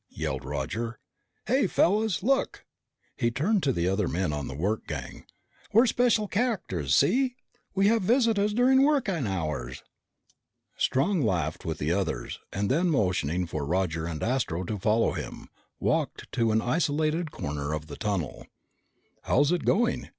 yelled Roger. "Hey, fellas! Look!" He turned to the other men on the work gang. "We're special characters! See? We have visitors during working hours!" Strong laughed with the others, and then motioning for Roger and Astro to follow him, walked to an isolated corner of the tunnel. "How is it going?"